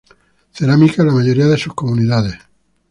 Cerámica en la mayoría de sus comunidades.